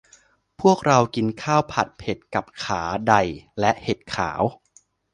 พวกเรากินข้าวผัดเผ็ดกับขาได่และเห็ดขาว